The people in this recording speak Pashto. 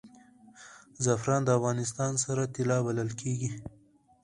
زعفران د افغانستان سره طلا بلل کیږي